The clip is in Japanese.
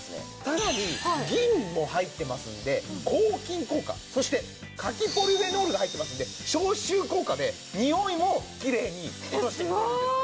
さらに銀も入ってますんで抗菌効果そして柿ポリフェノールが入ってますんで消臭効果でにおいもきれいに落としてくれるんです。